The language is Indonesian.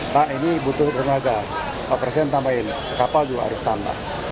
pak ini butuh tenaga pak presiden tambahin kapal juga harus tambah